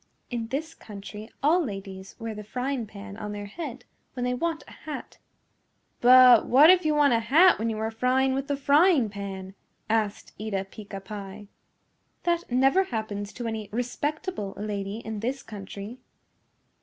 "In this country all ladies wear the frying pan on their head when they want a hat." "But what if you want a hat when you are frying with the frying pan?" asked Eeta Peeca Pie. "That never happens to any respectable lady in this country."